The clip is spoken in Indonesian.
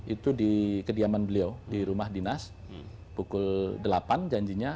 itu di kediaman beliau di rumah dinas pukul delapan janjinya